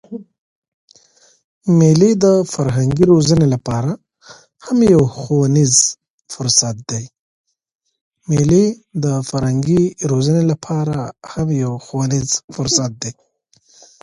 مېلې د فرهنګي روزني له پاره هم یو ښوونیز فرصت دئ.